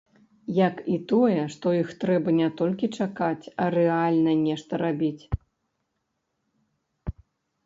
Як і тое, што іх трэба не толькі чакаць, а рэальна нешта рабіць.